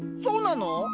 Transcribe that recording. そうなの？